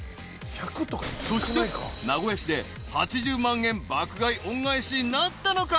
［そして名古屋市で８０万円爆買い恩返しなったのか？］